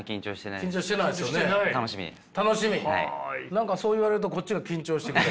何かそう言われるとこっちが緊張してくる。